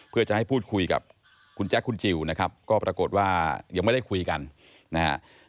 เพื่อจะให้พูดคุยกับคุณแจ๊คคุณจิลนะครับก็ปรากฏว่ายังไม่ได้คุยกันนะฮะ